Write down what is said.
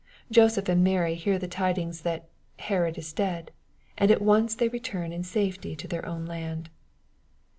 Joseph and Mary hear the tidings that " Herod is dead /' and at once they return in safety to their own land.